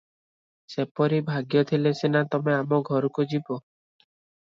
ସେପରି ଭାଗ୍ୟ ଥିଲେ ସିନା ତମେ ଆମ ଘରକୁ ଯିବ ।